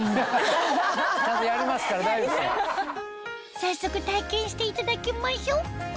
早速体験していただきましょう